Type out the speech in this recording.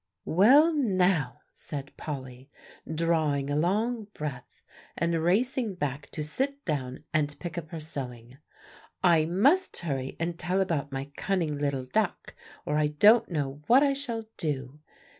"Well, now," said Polly, drawing a long breath, and racing back to sit down and pick up her sewing, "I must hurry and tell about my cunning little duck, or I don't know what I shall do.